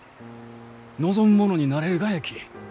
望む者になれるがやき。